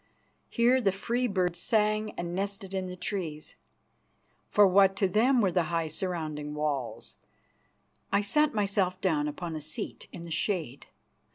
Here the free birds sang and nested in the trees, for what to them were the high surrounding walls? I sat myself down upon a seat in the shade.